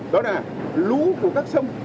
đó là lũ của các sông